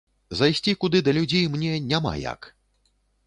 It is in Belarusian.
Зайсці куды да людзей мне няма як.